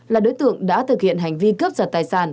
là đối tượng đã thực hiện hành vi cướp giật tài sản